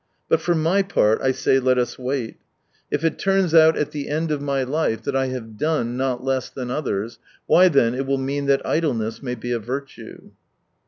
But for my part, I say let us wait. If it turns out at the end 72 of my life that I have * done ' not less than others — why, then ^it will mean that idleness may be a virtue."